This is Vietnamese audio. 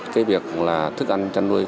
và đối với việc là thức ăn trăn nuôi